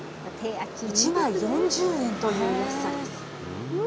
１枚４０円という安さです。